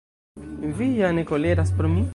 Vi ja ne koleras pro mi?